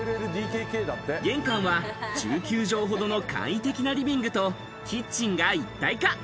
玄関は１９帖ほどの簡易的なリビングとキッチンが一体化。